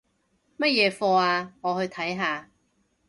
乜嘢課吖？我去睇下